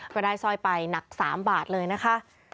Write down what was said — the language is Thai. ก็ได้สร้อยไปหนัก๓บาทเลยนะคะ